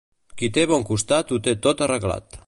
Qui té bon costat ho té tot arreglat.